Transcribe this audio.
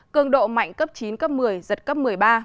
cường độ mạnh cấp chín giật cấp một mươi ba